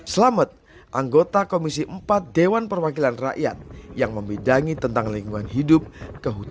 selamat anggota komisi empat dewan perwakilan rakyat yang membidangi tentang lingkungan hidup dan kepentingan